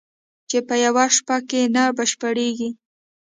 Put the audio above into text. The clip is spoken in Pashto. چې په یوه شپه کې نه بشپړېږي